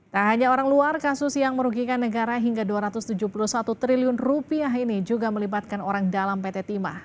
tak hanya orang luar kasus yang merugikan negara hingga rp dua ratus tujuh puluh satu triliun ini juga melibatkan orang dalam pt timah